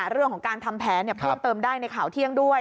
เรื่องของการทำแผนเพิ่มเติมได้ในข่าวเที่ยงด้วย